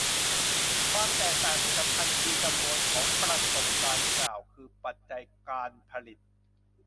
ความแตกต่างที่สำคัญคือจำนวนของประสบการณ์กล่าวคือปัจจัยการผลิต